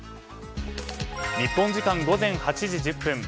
日本時間午前８時１０分。